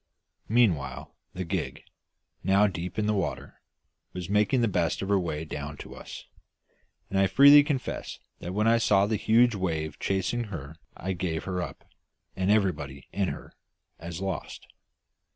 Meanwhile, the gig, now deep in the water, was making the best of her way down to us, and I freely confess that when I saw that huge wave chasing her I gave her up, and everybody in her, as lost.